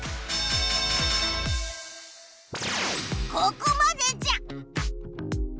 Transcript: ここまでじゃ！